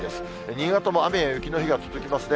新潟も雨や雪の日が続きますね。